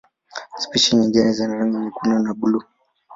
Spishi nyingine zina rangi nyekundu na buluu.